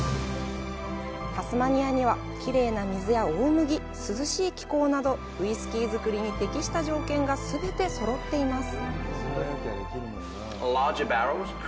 タスマニアには、きれいな水や大麦涼しい気候などウイスキー造りに適した条件がすべてそろっています。